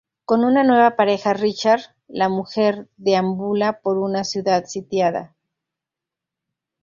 Con una nueva pareja, Richard, la mujer deambula por una ciudad sitiada.